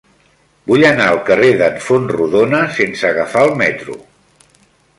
Vull anar al carrer d'en Fontrodona sense agafar el metro.